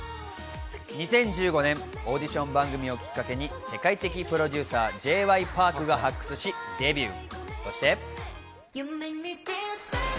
２０１５年、オーディション番組をきっかけに世界的プロデューサー・Ｊ．Ｙ．Ｐａｒｋが発掘し、デビュー。